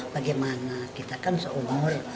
bagaimana kita kan seumur